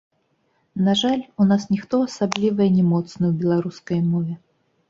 На жаль, у нас ніхто асаблівае не моцны ў беларускай мове.